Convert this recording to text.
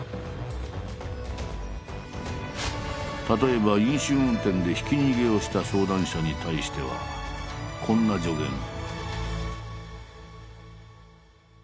例えば飲酒運転でひき逃げをした相談者に対してはこんな助言。